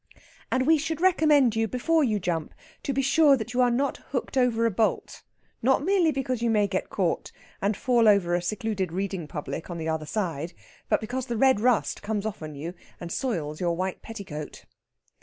And we should recommend you, before you jump, to be sure you are not hooked over a bolt, not merely because you may get caught, and fall over a secluded reading public on the other side, but because the red rust comes off on you and soils your white petticoat.